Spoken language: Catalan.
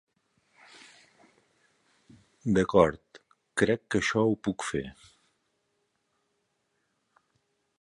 D'acord, crec que això ho puc fer.